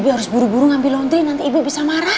dia harus buru buru ngambil laundry nanti ibu bisa marah